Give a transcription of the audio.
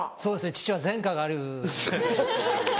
父は前科がある。